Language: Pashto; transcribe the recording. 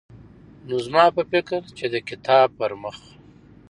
نو زما په فکر چې د کتاب پرمخ